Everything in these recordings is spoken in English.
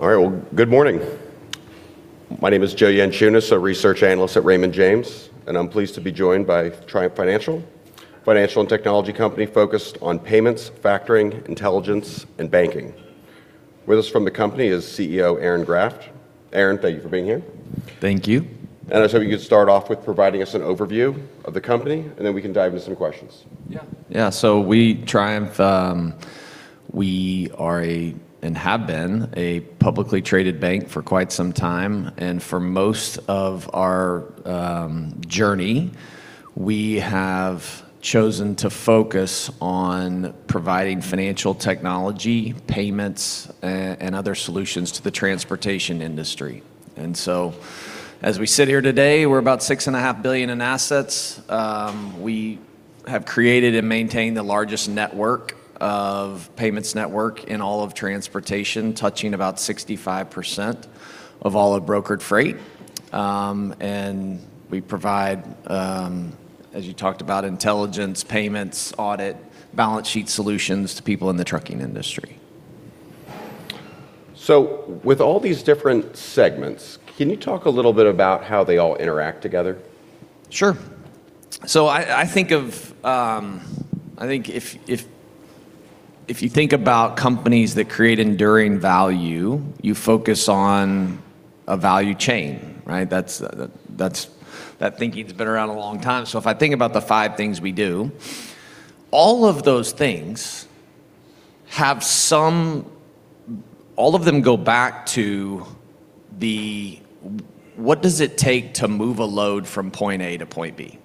All right. Well, good morning. My name is Joe Yanchunis, a research analyst at Raymond James. I'm pleased to be joined by Triumph Financial, a financial and technology company focused on payments, factoring, intelligence, and banking. With us from the company is CEO Aaron Graft. Aaron, thank you for being here. Thank you. I was hoping you could start off with providing us an overview of the company, and then we can dive into some questions. We, Triumph, we are a, and have been, a publicly traded bank for quite some time. For most of our journey, we have chosen to focus on providing financial technology, payments, and other solutions to the transportation industry. As we sit here today, we're about $6.5 billion in assets. We have created and maintained the largest network of payments network in all of transportation, touching about 65% of all of brokered freight. We provide, as you talked about, intelligence, payments, audit, balance sheet solutions to people in the trucking industry. With all these different segments, can you talk a little bit about how they all interact together? Sure. I think of I think if you think about companies that create enduring value, you focus on a value chain, right? That's, that's, that thinking's been around a long time. If I think about the five things we do, all of those things have all of them go back to the what does it take to move a load from point A to point B?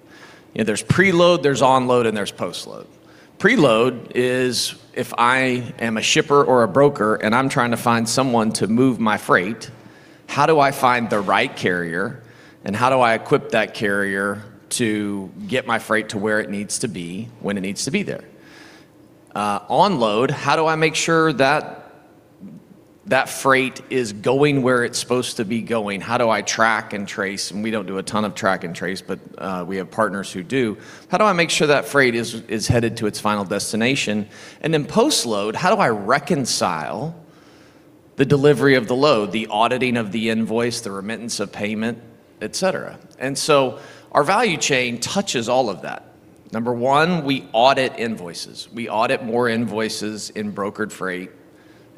You know, there's preload, there's onload, and there's postload. Preload is if I am a shipper or a broker and I'm trying to find someone to move my freight, how do I find the right carrier, and how do I equip that carrier to get my freight to where it needs to be when it needs to be there? Onload, how do I make sure that freight is going where it's supposed to be going? How do I track and trace? We don't do a ton of track and trace, but we have partners who do. How do I make sure that freight is headed to its final destination? Postload, how do I reconcile the delivery of the load, the auditing of the invoice, the remittance of payment, et cetera? Our value chain touches all of that. Number one, we audit invoices. We audit more invoices in brokered freight,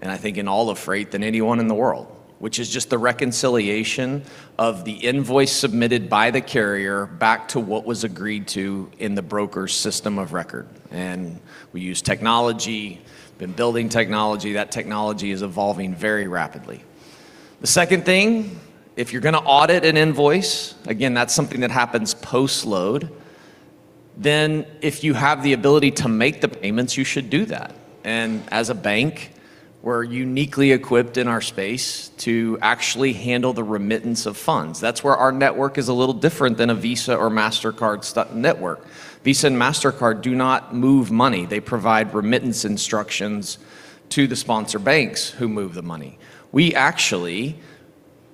and I think in all of freight, than anyone in the world, which is just the reconciliation of the invoice submitted by the carrier back to what was agreed to in the broker's system of record. We use technology. Been building technology. That technology is evolving very rapidly. The second thing, if you're gonna audit an invoice, again, that's something that happens postload, then if you have the ability to make the payments, you should do that. As a bank, we're uniquely equipped in our space to actually handle the remittance of funds. That's where our network is a little different than a Visa or Mastercard network. Visa and Mastercard do not move money. They provide remittance instructions to the sponsor banks who move the money. We actually,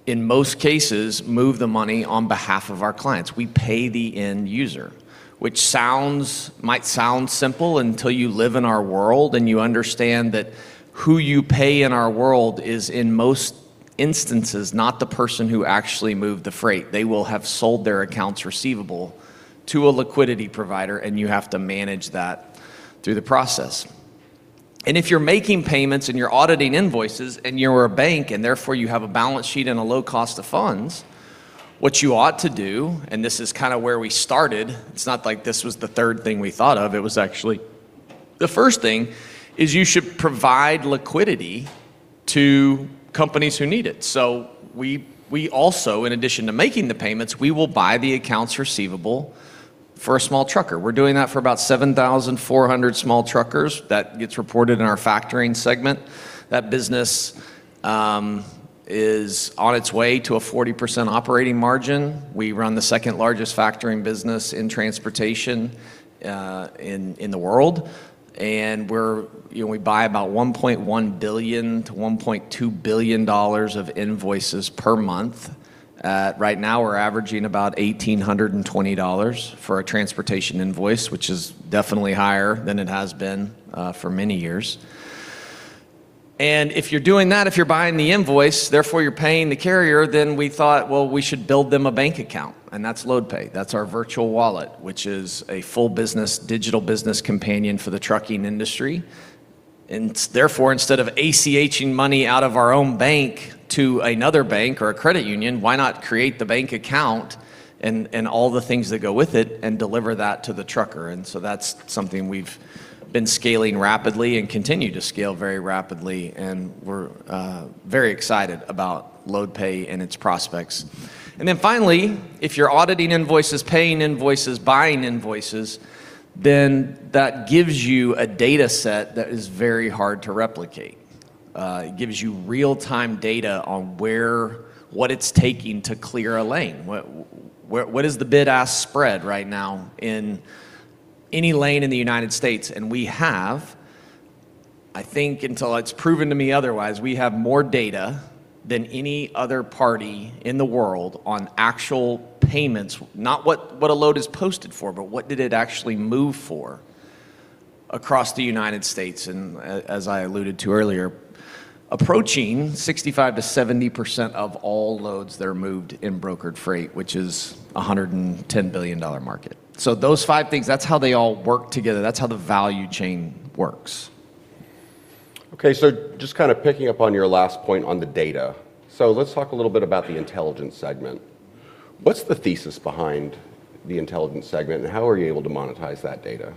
in most cases, move the money on behalf of our clients. We pay the end user, which sounds, might sound simple until you live in our world and you understand that who you pay in our world is, in most instances, not the person who actually moved the freight. They will have sold their accounts receivable to a liquidity provider. You have to manage that through the process. If you're making payments and you're auditing invoices, and you're a bank, and therefore you have a balance sheet and a low cost of funds, what you ought to do, and this is kind of where we started, it's not like this was the third thing we thought of, it was actually the first thing, is you should provide liquidity to companies who need it. We also, in addition to making the payments, we will buy the accounts receivable for a small trucker. We're doing that for about 7,400 small truckers. That gets reported in our factoring segment. That business is on its way to a 40% operating margin. We run the second-largest factoring business in transportation in the world. You know, we buy about $1.1 billion-$1.2 billion of invoices per month. Right now, we're averaging about $1,820 for a transportation invoice, which is definitely higher than it has been for many years. If you're doing that, if you're buying the invoice, therefore you're paying the carrier, then we thought, well, we should build them a bank account, and that's LoadPay. That's our virtual wallet, which is a full business, digital business companion for the trucking industry. Therefore, instead of ACH-ing money out of our own bank to another bank or a credit union, why not create the bank account and all the things that go with it and deliver that to the trucker? That's something we've been scaling rapidly and continue to scale very rapidly, and we're very excited about LoadPay and its prospects. Finally, if you're auditing invoices, paying invoices, buying invoices, that gives you a data set that is very hard to replicate. It gives you real-time data on where, what it's taking to clear a lane. What, what is the bid-ask spread right now in any lane in the United States? We have, I think until it's proven to me otherwise, we have more data than any other party in the world on actual payments, not what a load is posted for, but what did it actually move for. Across the United States, as I alluded to earlier, approaching 65%-70% of all loads that are moved in brokered freight, which is a $110 billion market. Those five things, that's how they all work together. That's how the value chain works. Just kind of picking up on your last point on the data. Let's talk a little bit about the intelligence segment. What's the thesis behind the intelligence segment, and how are you able to monetize that data?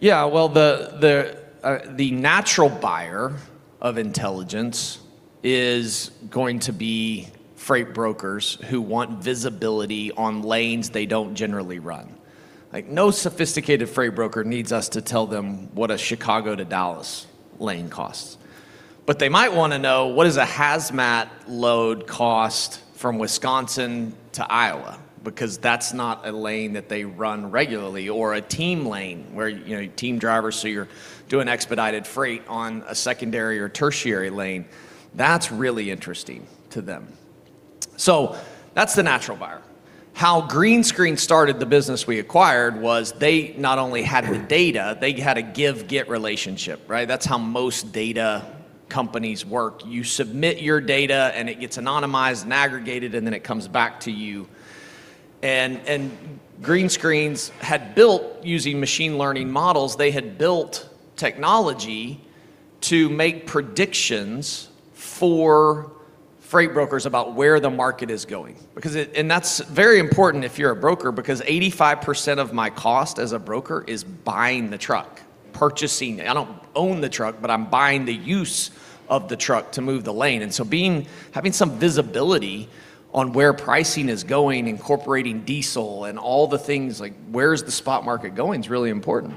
Well, the natural buyer of intelligence is going to be freight brokers who want visibility on lanes they don't generally run. Like, no sophisticated freight broker needs us to tell them what a Chicago to Dallas lane costs. They might wanna know what does a hazmat load cost from Wisconsin to Iowa, because that's not a lane that they run regularly, or a team lane, where, you know, you team drivers so you're doing expedited freight on a secondary or tertiary lane. That's really interesting to them. That's the natural buyer. How Greenscreens.ai started the business we acquired was they not only had the data, they had a give/get relationship, right? That's how most data companies work. You submit your data, and it gets anonymized and aggregated, and then it comes back to you. Greenscreens had built, using machine learning models, they had built technology to make predictions for freight brokers about where the market is going. That's very important if you're a broker, because 85% of my cost as a broker is buying the truck, purchasing. I don't own the truck, but I'm buying the use of the truck to move the lane. Having some visibility on where pricing is going, incorporating diesel and all the things, like where's the spot market going, is really important.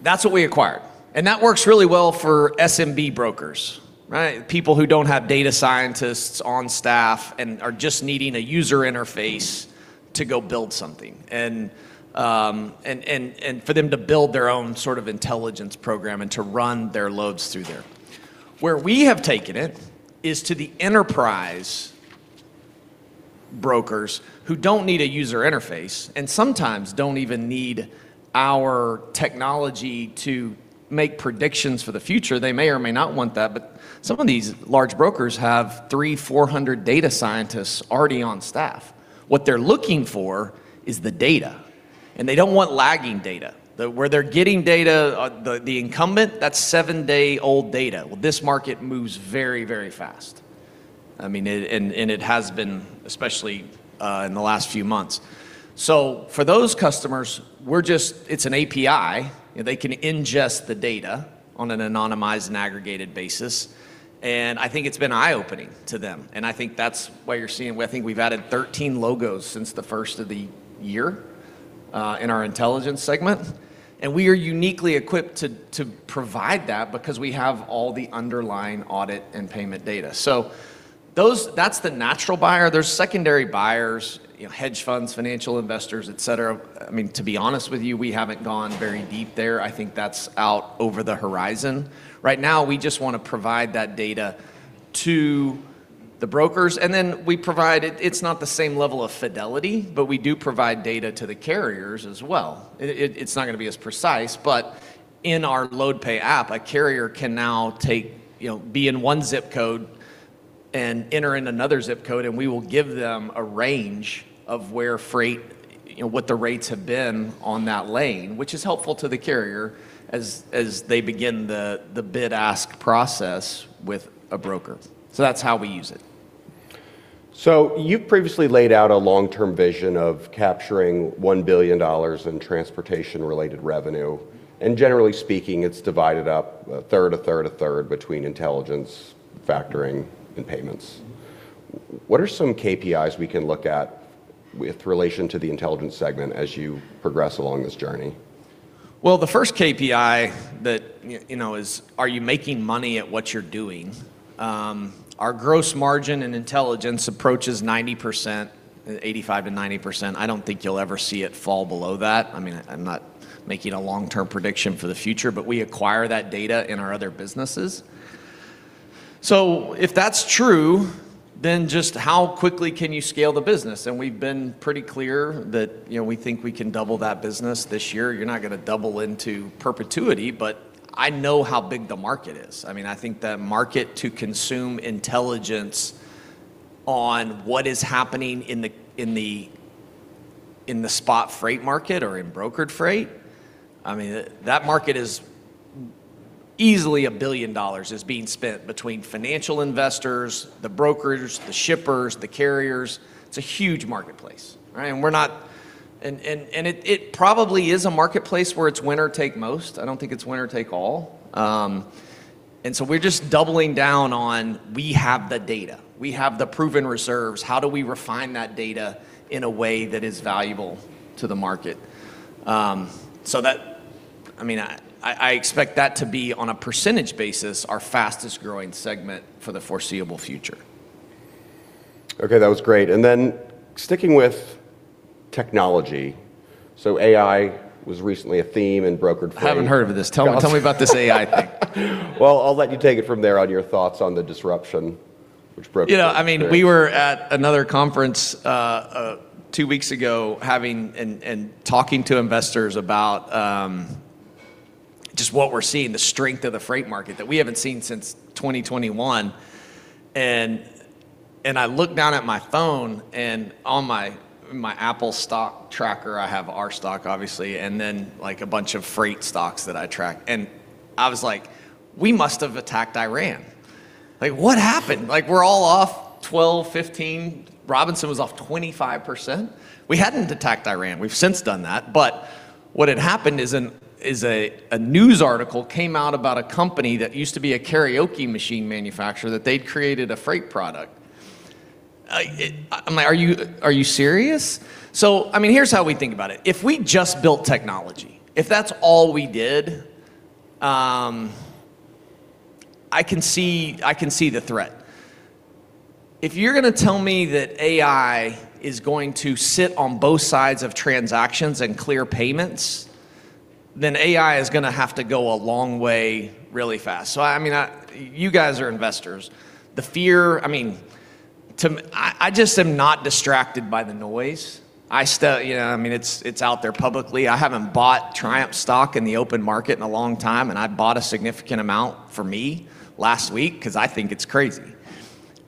That's what we acquired. That works really well for SMB brokers, right? People who don't have data scientists on staff and are just needing a user interface to go build something. And for them to build their own sort of intelligence program and to run their loads through there. Where we have taken it is to the enterprise brokers who don't need a user interface and sometimes don't even need our technology to make predictions for the future. They may or may not want that, some of these large brokers have 300-400 data scientists already on staff. What they're looking for is the data, and they don't want lagging data. The, where they're getting data, the incumbent, that's seven-day-old data. Well, this market moves very, very fast. I mean, it, and it has been, especially, in the last few months. For those customers, we're just, it's an API. You know, they can ingest the data on an anonymized and aggregated basis, and I think it's been eye-opening to them. I think that's why you're seeing, I think we've added 13 logos since the first of the year, in our intelligence segment. We are uniquely equipped to provide that because we have all the underlying audit and payment data. Those, that's the natural buyer. There's secondary buyers, you know, hedge funds, financial investors, et cetera. I mean, to be honest with you, we haven't gone very deep there. I think that's out over the horizon. Right now, we just wanna provide that data to the brokers, we provide, it's not the same level of fidelity, but we do provide data to the carriers as well. It's not gonna be as precise, but in our LoadPay app, a carrier can now take, you know, be in one ZIP code and enter in another ZIP code, and we will give them a range of where freight, you know, what the rates have been on that lane, which is helpful to the carrier as they begin the bid ask process with a broker. That's how we use it. You've previously laid out a long-term vision of capturing $1 billion in transportation-related revenue, and generally speaking, it's divided up a third, a third, a third between intelligence, factoring, and payments. What are some KPIs we can look at with relation to the intelligence segment as you progress along this journey? Well, the first KPI that you know, is are you making money at what you're doing? Our gross margin in intelligence approaches 90%, 85%-90%. I don't think you'll ever see it fall below that. I mean, I'm not making a long-term prediction for the future. We acquire that data in our other businesses. If that's true, just how quickly can you scale the business? We've been pretty clear that, you know, we think we can double that business this year. You're not gonna double into perpetuity. I know how big the market is. I mean, I think the market to consume intelligence on what is happening in the spot freight market or in brokered freight, I mean, that market is easily $1 billion is being spent between financial investors, the brokers, the shippers, the carriers. It's a huge marketplace, right? We're not... it probably is a marketplace where it's winner take most. I don't think it's winner take all. We're just doubling down on we have the data. We have the proven reserves. How do we refine that data in a way that is valuable to the market? That, I mean, I expect that to be, on a percentage basis, our fastest growing segment for the foreseeable future. Okay, that was great. Sticking with technology, so AI was recently a theme in brokered freight. I haven't heard of this. Tell me about this AI thing. Well, I'll let you take it from there on your thoughts on the disruption. Which broke- You know, I mean, we were at another conference two weeks ago, talking to investors about just what we're seeing, the strength of the freight market that we haven't seen since 2021. I looked down at my phone, and on my Apple stock tracker, I have our stock obviously, and then, like, a bunch of freight stocks that I track. I was like, "We must have attacked Iran." Like, what happened? Like, we're all off 12, 15. Robinson was off 25%. We hadn't attacked Iran. We've since done that. What had happened is a news article came out about a company that used to be a karaoke machine manufacturer that they'd created a freight product. I'm like, "Are you serious?" I mean, here's how we think about it. If we just built technology, if that's all we did, I can see, I can see the threat. If you're gonna tell me that AI is going to sit on both sides of transactions and clear payments, then AI is gonna have to go a long way really fast. I mean, you guys are investors. The fear, I mean, I just am not distracted by the noise. I still, you know, I mean, it's out there publicly. I haven't bought Triumph stock in the open market in a long time. I bought a significant amount for me last week, 'cause I think it's crazy.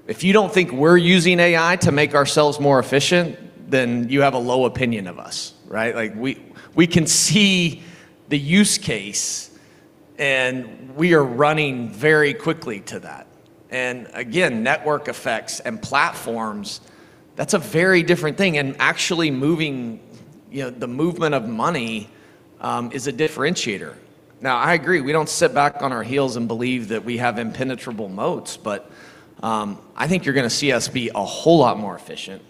If you don't think we're using AI to make ourselves more efficient, then you have a low opinion of us, right? We, we can see the use case. We are running very quickly to that. Again, network effects and platforms, that's a very different thing. Actually moving, you know, the movement of money is a differentiator. Now, I agree, we don't sit back on our heels and believe that we have impenetrable moats, but I think you're gonna see us be a whole lot more efficient.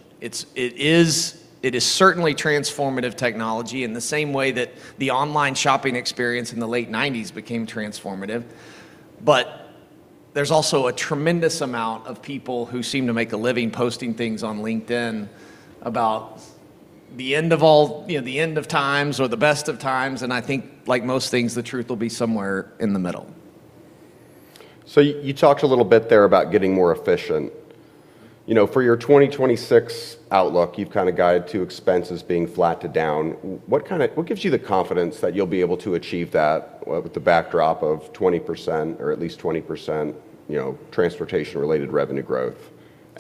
It is certainly transformative technology in the same way that the online shopping experience in the late nineties became transformative. There's also a tremendous amount of people who seem to make a living posting things on LinkedIn about the end of all, you know, the end of times or the best of times, and I think, like most things, the truth will be somewhere in the middle. You talked a little bit there about getting more efficient. You know, for your 2026 outlook, you've kinda guided to expenses being flat to down. What kinda, what gives you the confidence that you'll be able to achieve that with the backdrop of 20% or at least 20%, you know, transportation-related revenue growth?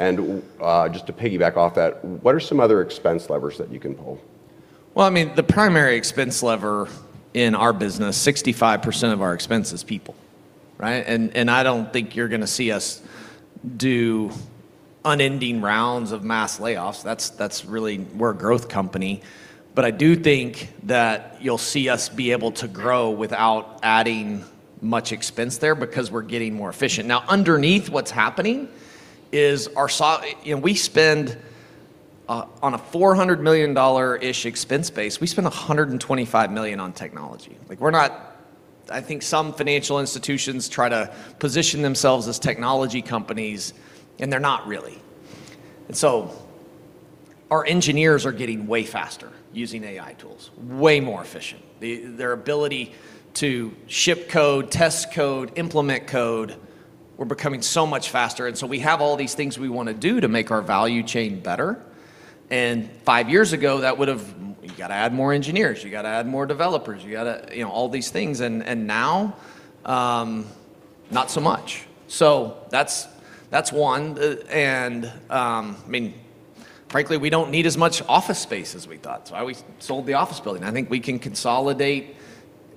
Just to piggyback off that, what are some other expense levers that you can pull? Well, I mean, the primary expense lever in our business, 65% of our expense is people, right? I don't think you're gonna see us do unending rounds of mass layoffs. That's really. We're a growth company. I do think that you'll see us be able to grow without adding much expense there because we're getting more efficient. Now, underneath what's happening is our. You know, we spend on a $400 million-ish expense base, we spend $125 million on technology. Like, we're not. I think some financial institutions try to position themselves as technology companies, and they're not really. Our engineers are getting way faster using AI tools, way more efficient. Their ability to ship code, test code, implement code, we're becoming so much faster. We have all these things we wanna do to make our value chain better. Five years ago, you gotta add more engineers. You gotta add more developers. You gotta, you know, all these things. Now, not so much. That's one. I mean, frankly, we don't need as much office space as we thought. That's why we sold the office building. I think we can consolidate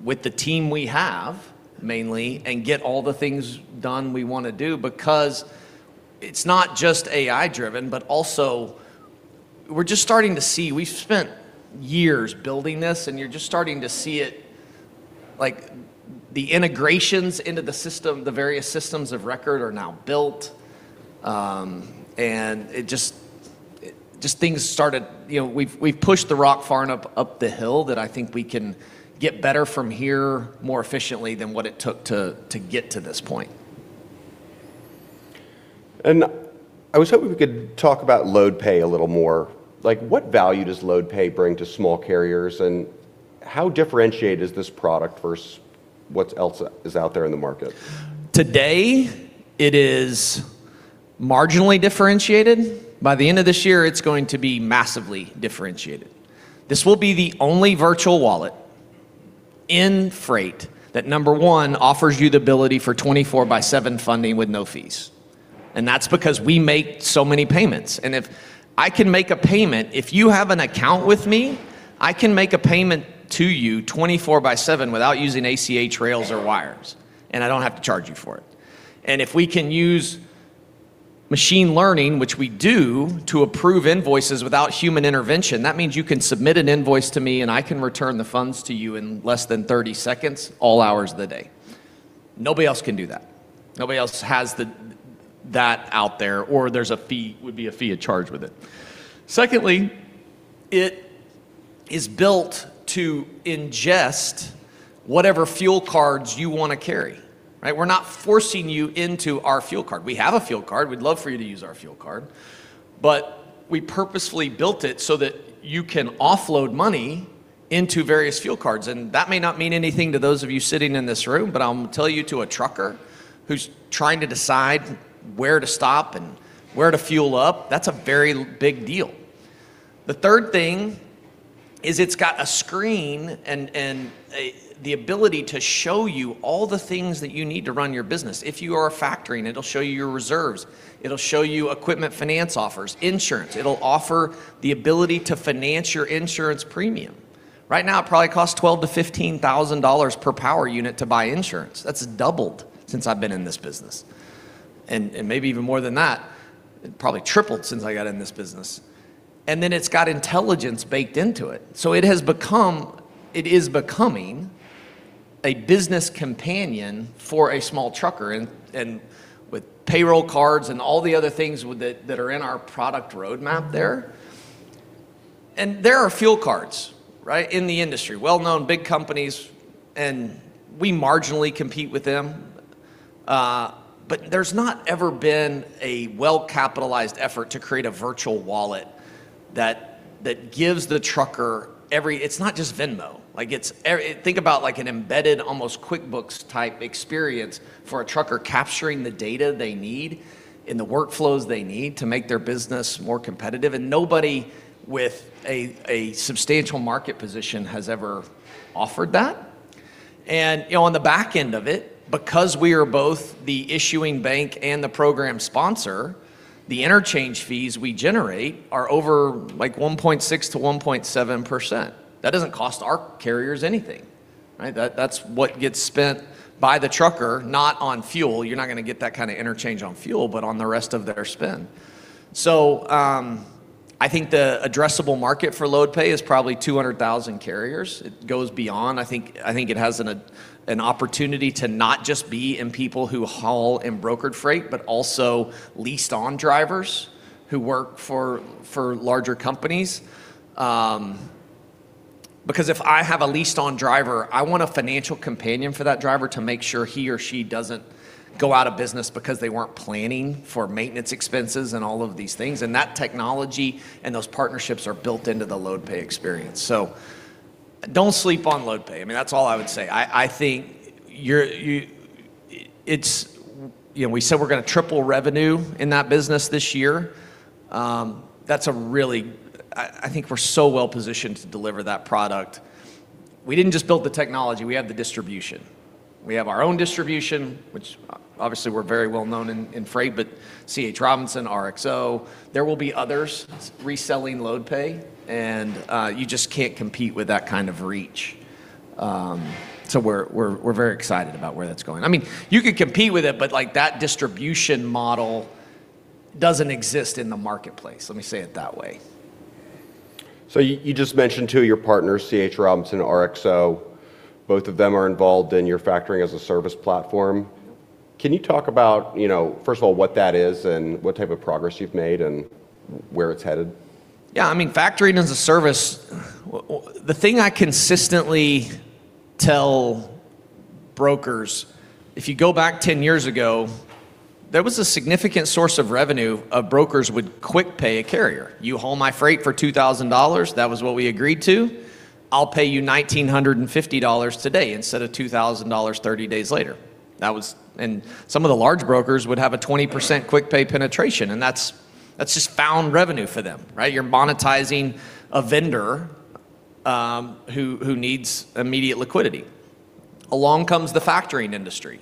with the team we have mainly and get all the things done we wanna do because it's not just AI-driven, but also we've spent years building this, and you're just starting to see it, like, the integrations into the system, the various systems of record are now built. It just things started, you know, we've pushed the rock far enough up the hill that I think we can get better from here more efficiently than what it took to get to this point. I was hoping we could talk about LoadPay a little more. Like, what value does LoadPay bring to small carriers, and how differentiated is this product versus what else is out there in the market? Today, it is marginally differentiated. By the end of this year, it's going to be massively differentiated. This will be the only virtual wallet in freight that, number one, offers you the ability for 24/7 funding with no fees. That's because we make so many payments. If I can make a payment, if you have an account with me, I can make a payment to you 24/7 without using ACH rails or wires, and I don't have to charge you for it. If we can use machine learning, which we do, to approve invoices without human intervention, that means you can submit an invoice to me, and I can return the funds to you in less than 30 seconds all hours of the day. Nobody else can do that. Nobody else has that out there, or there's a fee to charge with it. It is built to ingest whatever fuel cards you wanna carry, right? We're not forcing you into our fuel card. We have a fuel card. We'd love for you to use our fuel card. We purposefully built it so that you can offload money into various fuel cards. That may not mean anything to those of you sitting in this room, I'll tell you, to a trucker who's trying to decide where to stop and where to fuel up, that's a very big deal. The third thing is it's got a screen and the ability to show you all the things that you need to run your business. If you are a factor, it'll show you your reserves, it'll show you equipment finance offers, insurance. It'll offer the ability to finance your insurance premium. Right now, it probably costs $12,000-$15,000 per power unit to buy insurance. That's doubled since I've been in this business, and maybe even more than that. It probably tripled since I got in this business. Then it's got intelligence baked into it, so it is becoming a business companion for a small trucker and with payroll cards and all the other things with that are in our product roadmap there. There are fuel cards, right, in the industry, well-known big companies, and we marginally compete with them. There's not ever been a well-capitalized effort to create a virtual wallet that gives the trucker every. It's not just Venmo. Like it's think about like an embedded, almost QuickBooks-type experience for a trucker capturing the data they need and the workflows they need to make their business more competitive, and nobody with a substantial market position has ever offered that. You know, on the back end of it, because we are both the issuing bank and the program sponsor, the interchange fees we generate are over like 1.6%-1.7%. That doesn't cost our carriers anything, right? That's what gets spent by the trucker, not on fuel. You're not gonna get that kind of interchange on fuel, but on the rest of their spend. I think the addressable market for LoadPay is probably 200,000 carriers. It goes beyond. I think it has an opportunity to not just be in people who haul in brokered freight, but also leased-on drivers who work for larger companies. Because if I have a leased-on driver, I want a financial companion for that driver to make sure he or she doesn't go out of business because they weren't planning for maintenance expenses and all of these things. That technology and those partnerships are built into the Loadpay experience. Don't sleep on Loadpay. I mean, that's all I would say. I think you're, you know, we said we're gonna triple revenue in that business this year. I think we're so well-positioned to deliver that product. We didn't just build the technology, we have the distribution. We have our own distribution, which obviously we're very well-known in freight. C.H. Robinson, RXO, there will be others reselling LoadPay, and you just can't compete with that kind of reach. We're very excited about where that's going. I mean, you could compete with it, but, like, that distribution model doesn't exist in the marketplace. Let me say it that way. You just mentioned two of your partners, C.H. Robinson and RXO. Both of them are involved in your Factoring as a Service platform. Can you talk about, you know, first of all, what that is and what type of progress you've made and where it's headed? Yeah. I mean, Factoring as a Service, the thing I consistently tell brokers, if you go back 10 years ago, there was a significant source of revenue of brokers would quick pay a carrier. You haul my freight for $2,000, that was what we agreed to, I'll pay you $1,950 today instead of $2,000 30 days later. That was. Some of the large brokers would have a 20% quick pay penetration, and that's just found revenue for them, right? You're monetizing a vendor, who needs immediate liquidity. Along comes the factoring industry,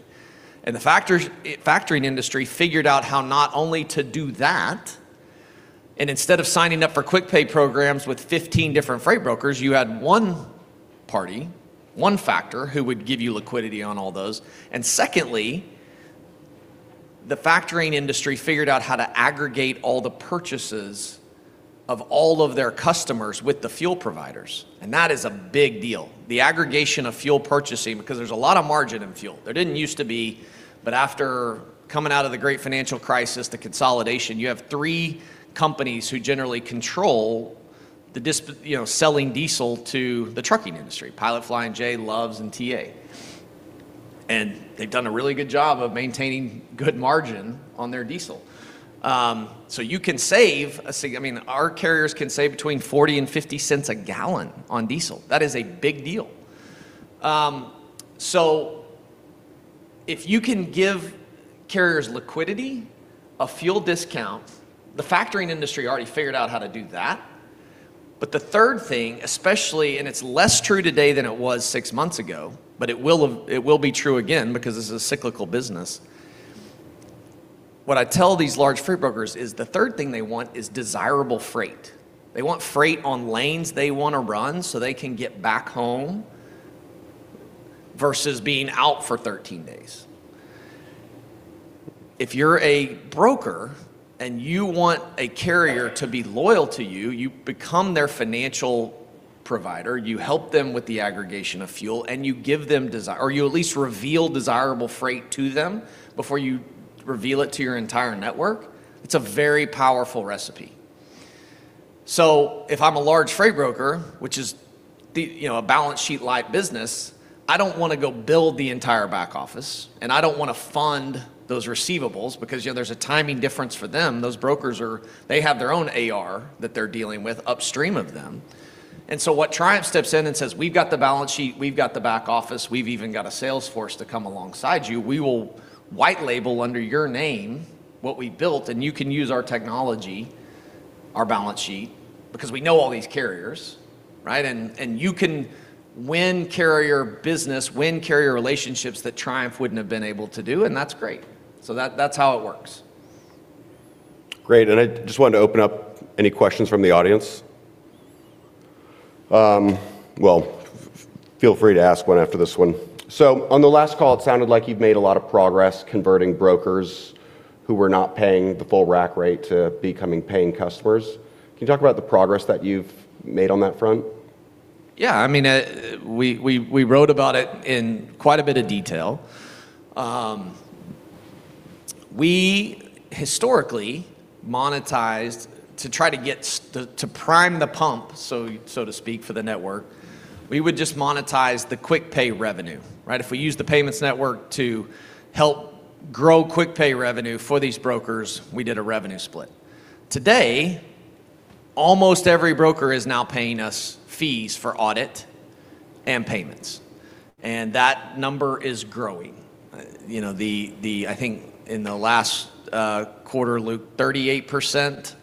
the factors, factoring industry figured out how not only to do that, instead of signing up for quick pay programs with 15 different freight brokers, you had one party, one factor who would give you liquidity on all those. Secondly, the factoring industry figured out how to aggregate all the purchases of all of their customers with the fuel providers, and that is a big deal. The aggregation of fuel purchasing, because there's a lot of margin in fuel. There didn't used to be, but after coming out of the great financial crisis, the consolidation, you have three companies who generally control the, you know, selling diesel to the trucking industry, Pilot, Flying J, Love's, and TA, and they've done a really good job of maintaining good margin on their diesel. You can save a, I mean, our carriers can save between $0.40 and $0.50 cents a gallon on diesel. That is a big deal. If you can give carriers liquidity, a fuel discount, the factoring industry already figured out how to do that. The third thing, especially, and it's less true today than it was six months ago, it will be true again because this is a cyclical business. What I tell these large freight brokers is the third thing they want is desirable freight. They want freight on lanes they wanna run, so they can get back home versus being out for 13 days. If you're a broker and you want a carrier to be loyal to you become their financial provider, you help them with the aggregation of fuel, and you give them or you at least reveal desirable freight to them before you reveal it to your entire network. It's a very powerful recipe. If I'm a large freight broker, which is the, you know, a balance sheet light business, I don't wanna go build the entire back office, and I don't wanna fund those receivables because, you know, there's a timing difference for them. Those brokers, they have their own AR that they're dealing with upstream of them. What Triumph steps in and says, "We've got the balance sheet, we've got the back office, we've even got a sales force to come alongside you. We will white label under your name what we built, and you can use our technology, our balance sheet, because we know all these carriers, right? And you can win carrier business, win carrier relationships that Triumph wouldn't have been able to do." That's great. That's how it works. Great. I just wanted to open up any questions from the audience. Well, feel free to ask one after this one. On the last call, it sounded like you've made a lot of progress converting brokers who were not paying the full rack rate to becoming paying customers. Can you talk about the progress that you've made on that front? I mean, we wrote about it in quite a bit of detail. We historically monetized to try to get to prime the pump, so to speak, for the network, we would just monetize the QuickPay revenue, right? If we used the payments network to help grow QuickPay revenue for these brokers, we did a revenue split. Today, almost every broker is now paying us fees for audit and payments, and that number is growing. You know, I think in the last quarter, Luke, 38%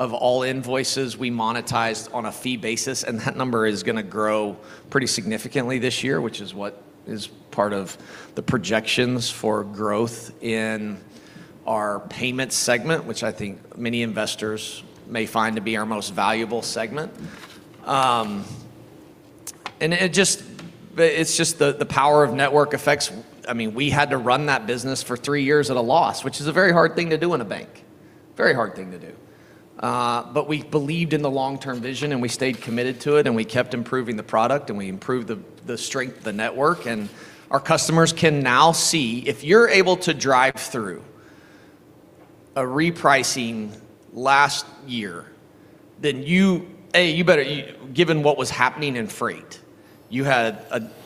of all invoices we monetized on a fee basis, and that number is gonna grow pretty significantly this year, which is what is part of the projections for growth in our payment segment, which I think many investors may find to be our most valuable segment. it's just the power of network effects. I mean, we had to run that business for three years at a loss, which is a very hard thing to do in a bank. Very hard thing to do. We believed in the long-term vision, and we stayed committed to it, and we kept improving the product, and we improved the strength of the network. Our customers can now see, if you're able to drive through a repricing last year, then you better. Given what was happening in freight, you had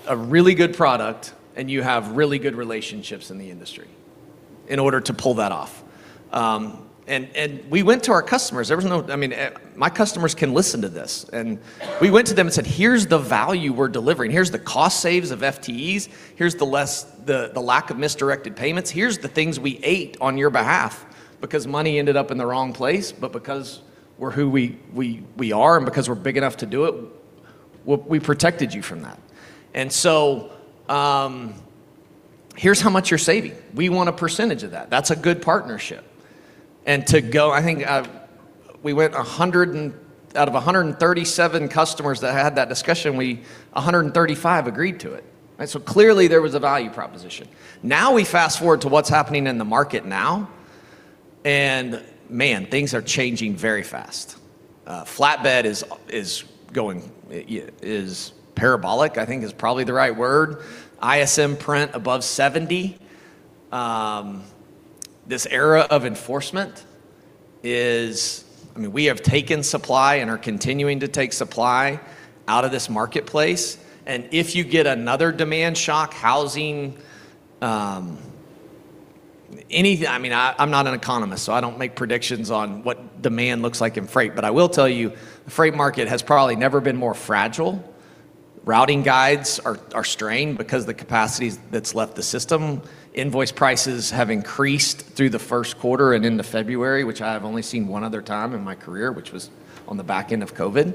a really good product, and you have really good relationships in the industry in order to pull that off. We went to our customers. I mean, my customers can listen to this. We went to them and said, "Here's the value we're delivering. Here's the cost saves of FTEs. Here's the lack of misdirected payments. Here's the things we ate on your behalf because money ended up in the wrong place. Because we're who we are and because we're big enough to do it, we protected you from that. Here's how much you're saving. We want a % of that." That's a good partnership. Out of 137 customers that had that discussion, 135 agreed to it, right? Clearly there was a value proposition. We fast-forward to what's happening in the market now, and man, things are changing very fast. Flatbed is going, is parabolic, I think is probably the right word. ISM print above 70. This era of enforcement is... I mean, we have taken supply and are continuing to take supply out of this marketplace. If you get another demand shock, housing, anything... I mean, I'm not an economist, so I don't make predictions on what demand looks like in freight. I will tell you, the freight market has probably never been more fragile. Routing guides are strained because of the capacity that's left the system. Invoice prices have increased through the first quarter and into February, which I have only seen one other time in my career, which was on the back end of COVID.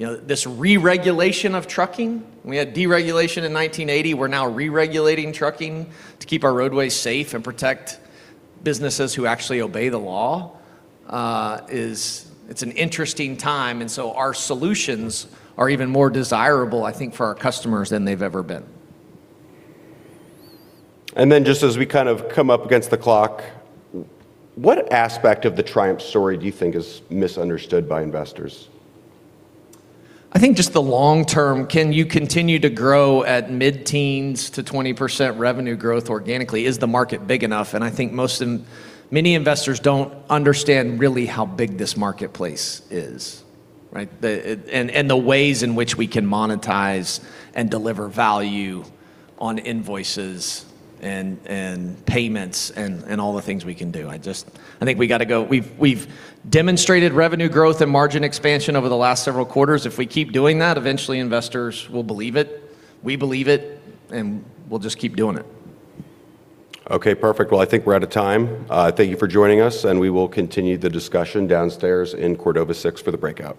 you know, this re-regulation of trucking, we had deregulation in 1980, we're now re-regulating trucking to keep our roadways safe and protect businesses who actually obey the law. It's an interesting time. Our solutions are even more desirable, I think, for our customers than they've ever been. Just as we kind of come up against the clock, what aspect of the Triumph story do you think is misunderstood by investors? I think just the long term. Can you continue to grow at mid-teens to 20% revenue growth organically? Is the market big enough? I think most many investors don't understand really how big this marketplace is, right? The ways in which we can monetize and deliver value on invoices and payments and all the things we can do. I think we gotta go. We've demonstrated revenue growth and margin expansion over the last several quarters. If we keep doing that, eventually investors will believe it. We believe it. We'll just keep doing it. Okay, perfect. Well, I think we're out of time. Thank you for joining us. We will continue the discussion downstairs in Cordova 6 for the breakout.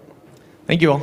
Thank you all.